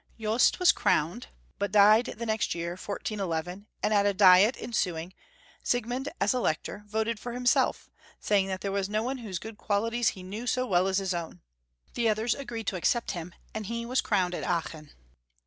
Jobst was crowned, but died the next year, 1411, and at the diet ensuing, Siegmund, as Elector, voted for himself, saying that there was no one whose good qualities he knew so well as his own. The others agreed to accept him, and he was crowned at Aachen.